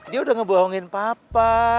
dia udah ngebohongin papa